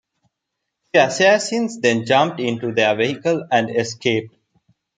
The assassins then jumped into their vehicle and escaped.